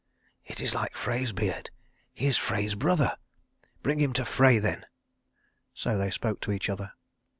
"It is like Frey's beard. He is Frey's brother. Bring him to Frey then." So they spoke to each other.